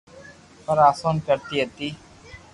پرآݾون ڪرتي ھتي